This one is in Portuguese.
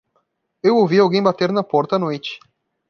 Eu ouvi alguém bater na porta à noite.